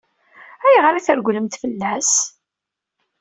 Ayɣer i tregglemt fell-as?